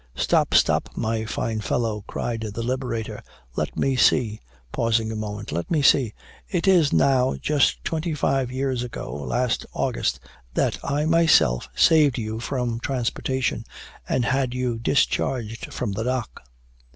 "Stop, stop, my fine fellow," cried the Liberator "Let me see," pausing a moment. "Let me see; it is now just twenty five years ago, last August, that I myself saved you from transportation, and had you discharged from the dock."